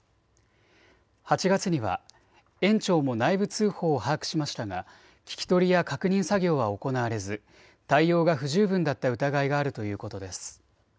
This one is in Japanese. ８月には園長も内部通報を把握しましたが聞き取りや確認作業は行われず対応が不十分だった疑いがあるということです。